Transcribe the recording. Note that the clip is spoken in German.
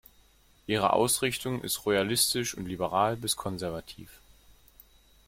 Ihre Ausrichtung ist royalistisch und liberal bis konservativ.